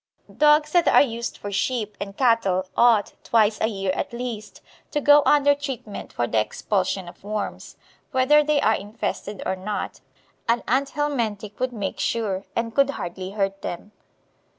Dogs that are used for sheep and cattle ought, twice a year at least, to go under treatment for the expulsion of worms, whether they are infested or not; an anthelmintic would make sure, and could hardly hurt them.